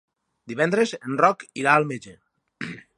Divendres en Roc irà al metge.